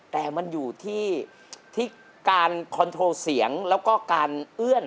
แต่มันอยู่ที่การคอนโทรเสียงแล้วก็การเอื้อน